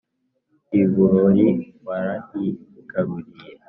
i burori warahigaruriye